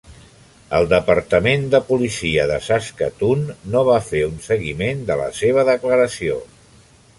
El departament de policia de Saskatoon no va fer un seguiment de la seva declaració.